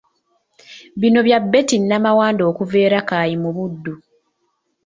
Bino bya Betty Namawanda okuva e Rakai mu Buddu.